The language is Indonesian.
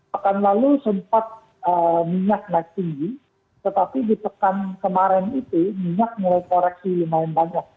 pekan lalu sempat minyak naik tinggi tetapi di pekan kemarin itu minyak mulai koreksi lumayan banyak